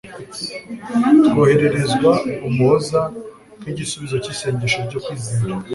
twohererezwa Umuhza nk'igisubizo cy'isengesho ryo kwizera.